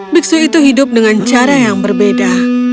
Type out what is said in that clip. biksu itu hidup dengan cara yang berbeda